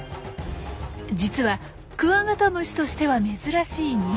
実はクワガタムシとしては珍しい肉食。